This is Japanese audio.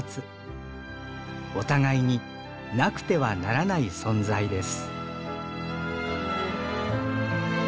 お互いになくてはならない存在です。